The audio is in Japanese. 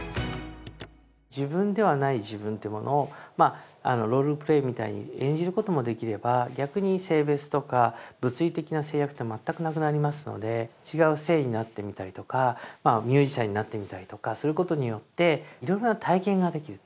自分ではない自分というものをロールプレイみたいに演じることもできれば逆に性別とか物理的な制約って全くなくなりますので違う性になってみたりとかミュージシャンになってみたりとかすることによっていろいろな体験ができる。